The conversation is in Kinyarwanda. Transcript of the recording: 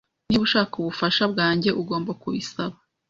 Niba ushaka ubufasha bwanjye, ugomba kubisaba